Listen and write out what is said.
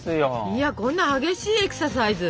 いやこんな激しいエクササイズ？